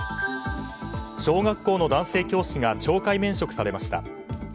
小学校の男性教師が懲戒免職されました。